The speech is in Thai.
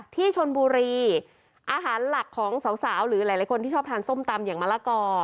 ที่ชนบุรีอาหารหลักของสาวหรือหลายคนที่ชอบทานส้มตำอย่างมะละกอ